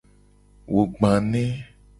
Wo gba ne.